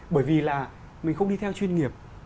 bởi vì là mình không đi theo chuyên nghiệp